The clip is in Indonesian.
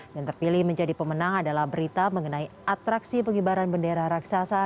yang terpilih menjadi pemenang adalah berita mengenai atraksi pengibaran bendera raksasa